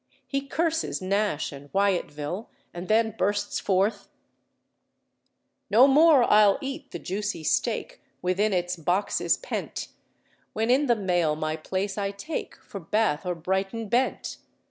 He curses Nash and Wyatville, and then bursts forth "No more I'll eat the juicy steak Within its boxes pent, When in the mail my place I take, For Bath or Brighton bent.